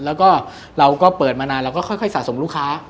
แล้วก็เราก็เปิดมานานเราก็ค่อยสะสมลูกค้า